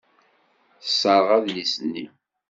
Tesserɣ adlis-nni.